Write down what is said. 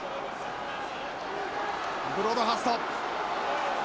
ブロードハースト。